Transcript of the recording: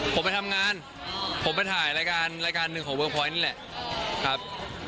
ผมไปทำงานผมไปถ่ายรายการรายการหนึ่งของเวอร์พลอยนี่แหละครับ